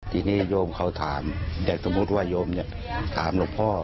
ทีนี้ยมเขาถามแดกสมมติว่ายมเนี้ยถามลงพ่อ